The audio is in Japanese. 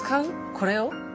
これを？